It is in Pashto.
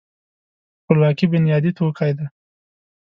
خپلواکي بنیادي توکی دی.